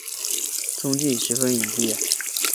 踪迹十分隐蔽。